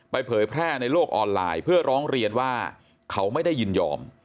เผยแพร่ในโลกออนไลน์เพื่อร้องเรียนว่าเขาไม่ได้ยินยอม